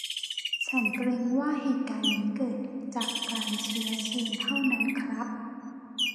ฉันเกรงว่าเหตุการณ์นี้เกิดจากการเชื้อเชิญเท่านั้นครับ